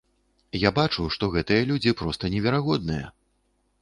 Я бачу, што гэтыя людзі проста неверагодныя!